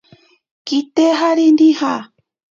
Kitejari nija.